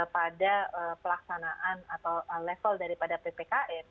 pada pelaksanaan atau level daripada ppkm